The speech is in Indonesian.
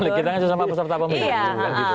boleh kita kan sesama peserta pemilu